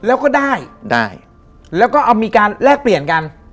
แล้วก็ได้ได้แล้วก็เอามีการแลกเปลี่ยนกัน